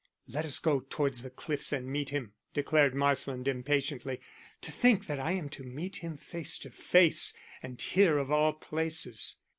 "Let us go towards the cliffs and meet him," declared Marsland impatiently. "To think that I am to meet him face to face, and here of all places."